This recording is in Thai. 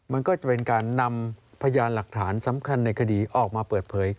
มันก็จะเป็นการนำพยานหลักฐานสำคัญในคดีออกมาเปิดเผย